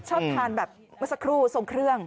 ชอบทานแบบเมื่อสักครู่ทรงเครื่อง